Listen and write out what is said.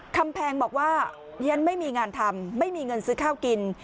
คำแพงบอกว่าเรียนไม่มีงานทำไม่มีเงินซื้อข้าวกิน